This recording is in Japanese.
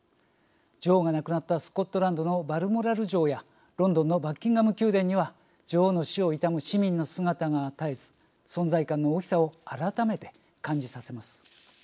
女王が亡くなったスコットランドのバルモラル城やロンドンのバッキンガム宮殿には女王の死を悼む市民の姿が絶えず存在感の大きさを改めて感じさせます。